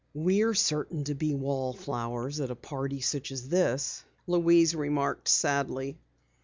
"We're certain to be wall flowers at a party such as this," Louise remarked sadly.